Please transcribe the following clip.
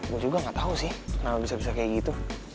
gue juga gak tahu sih kenapa bisa bisa kayak gitu